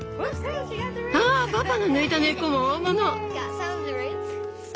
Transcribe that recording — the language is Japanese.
ああパパの抜いた根っこも大物。